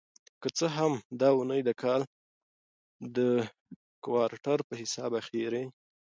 که څه هم دا اونۍ د کال د کوارټر په حساب اخېری